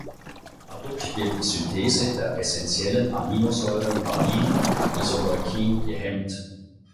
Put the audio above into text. Dadurch wird die Synthese der essentiellen Aminosäuren Valin und Isoleucin gehemmt.